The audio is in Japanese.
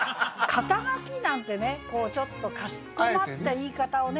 「肩書き」なんてねこうちょっとかしこまった言い方をね